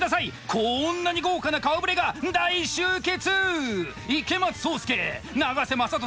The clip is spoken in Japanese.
こんなに豪華な顔ぶれが大集結！